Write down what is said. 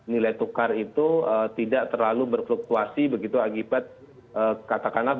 nilai tukar itu tidak terlalu berfluktuasi begitu akibat katakanlah